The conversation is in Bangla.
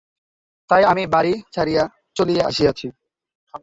তাই আমি বাড়ি ছাড়িয়া চলিয়া আসিয়াছি।